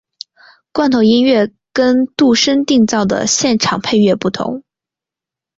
罐头音乐跟度身订造的现场配乐不同。